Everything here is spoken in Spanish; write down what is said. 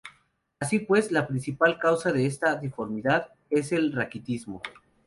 Así pues, la principal causa de esta deformidad es el raquitismo.